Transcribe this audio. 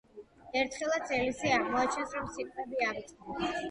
ერთხელაც ელისი აღმოაჩენს, რომ სიტყვები ავიწყდება.